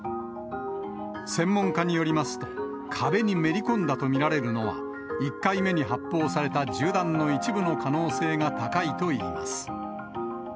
専門家によりますと、壁にめり込んだと見られるのは、１回目に発砲された銃弾の一部の可能性が高いといいます。